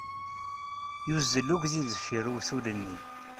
Yuzzel uydi deffir uwtul-nni.